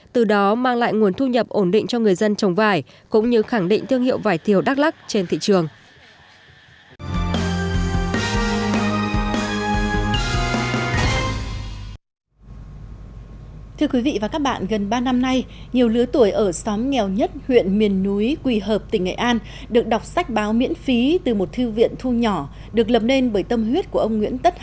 từ đó mang lại nguồn thu nhập ổn định cho người dân trồng vải cũng như khẳng định thương hiệu vải tiêu đắk lắc trên thị trường